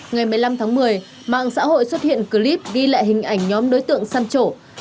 ngày một mươi năm tháng một mươi mạng xã hội xuất hiện clip ghi lại hình ảnh nhóm đối tượng săn trổ